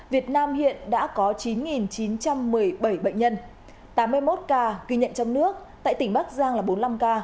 việt nam hiện đã có chín chín trăm một mươi bảy bệnh nhân tám mươi một ca ghi nhận trong nước tại tỉnh bắc giang là bốn mươi năm ca